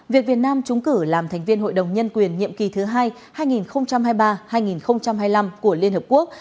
việc việt nam trúng cử làm thành viên hội đồng nhân quyền nhiệm kỳ thứ hai hai nghìn hai mươi ba hai nghìn hai mươi năm của liên hợp quốc